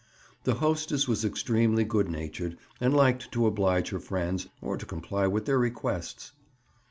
The hostess was extremely good natured and liked to oblige her friends, or to comply with their requests.